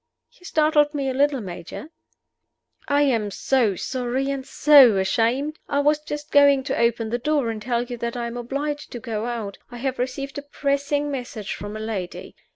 "You startled me a little, Major." "I am so sorry, and so ashamed! I was just going to open the door, and tell you that I am obliged to go out. I have received a pressing message from a lady.